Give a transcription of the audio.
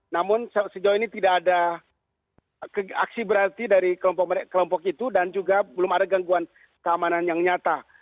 namun sejauh ini tidak ada aksi berarti dari kelompok itu dan juga belum ada gangguan keamanan yang nyata